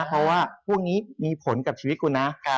เพราะว่าพวกนี้มีผลกับชีวิตคุณนะ